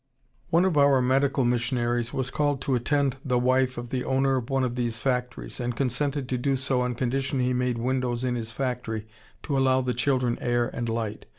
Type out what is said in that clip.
One of our medical missionaries was called to attend the wife of the owner of one of these factories, and consented to do so on condition he made windows in his factory to allow the children air and light.